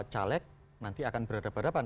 caleg nanti akan berhadapan hadapan